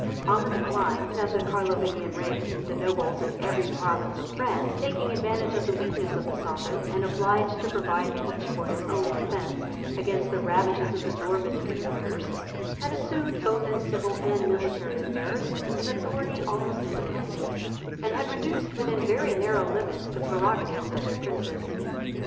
On the decline of the Carlovingian race, the nobles in every province of France, taking advantage of the weakness of the sovereign, and obliged to provide each for his own defence against the ravages of the Norman freebooters, had assumed, both in civil and military affairs, an authority almost independent, and had reduced within very narrow limits the prerogative of their princes.